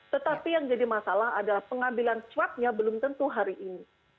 tetapi yang jadi masalah adalah pengambilan swabnya belum tentu hari ini